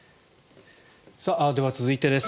では、続いてです。